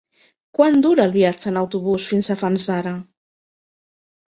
Quant dura el viatge en autobús fins a Fanzara?